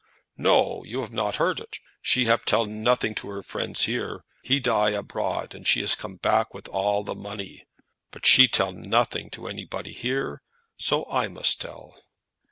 "No; you have not heard it. She have tell nothing to her friends here. He die abroad, and she has come back with all the money; but she tell nothing to anybody here, so I must tell."